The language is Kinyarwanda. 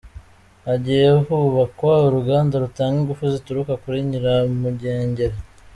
Hagiye kubakwa uruganda rutanga ingufu zituruka kuri nyiramugengeri